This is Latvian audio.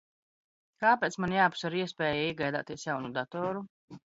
Kāpēc man jāapsver iespēja iegādāties jaunu datoru?